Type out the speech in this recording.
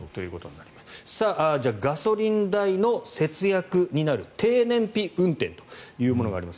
じゃあ、ガソリン代の節約になる低燃費運転というものがあります。